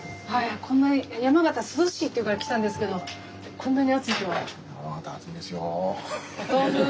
山形涼しいって言うから来たんですけどこんなに暑いとは。